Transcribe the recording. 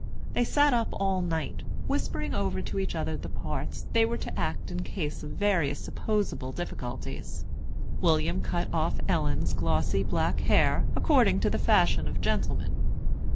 They sat up all night, whispering over to each other the parts they were to act in case of various supposable difficulties. William cut off Ellen's glossy black hair, according to the fashion of gentlemen.